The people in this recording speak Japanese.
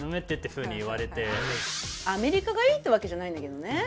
アメリカがいいってわけじゃないんだけどね。